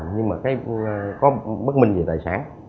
nhưng mà có bất minh về tài sản